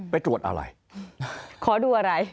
ไปตรวจอะไร